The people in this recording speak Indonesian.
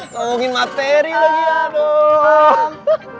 tolongin materi lagi ya dong